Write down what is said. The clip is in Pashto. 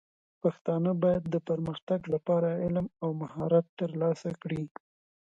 پښتانه بايد د پرمختګ لپاره علم او مهارت ترلاسه کړي.